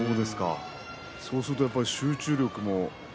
そうすると集中力は？